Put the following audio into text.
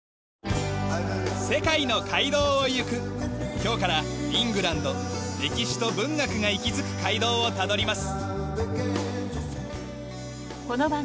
今日からイングランド歴史と文学が息づく街道をたどります。